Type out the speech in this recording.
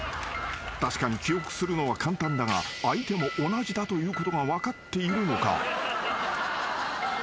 ［確かに記憶するのは簡単だが相手も同じだということが分かっているのか？］